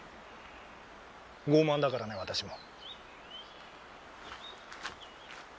傲慢だからね私も。